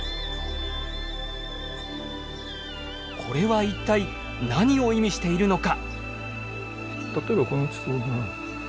これは一体何を意味しているのか。